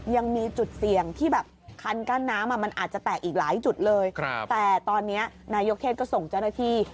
ยังมีจุดเสี่ยงที่แบบคันกั้นน้ำมันอาจจะแตกอีกหลายจุดเลยแต่ตอนนี้นายกเทศก็ส่งเจ้าหน้าที่